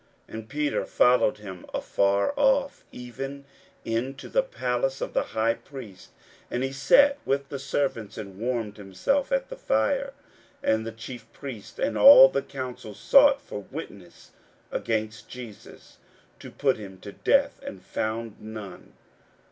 41:014:054 And Peter followed him afar off, even into the palace of the high priest: and he sat with the servants, and warmed himself at the fire. 41:014:055 And the chief priests and all the council sought for witness against Jesus to put him to death; and found none.